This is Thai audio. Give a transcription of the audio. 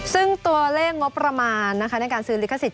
ซึ่งตัวเลขงบประมาณในการซื้อลิขสิท